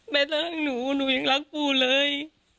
แม้แต่ทั้งหนูหนูยังรักคุณเลย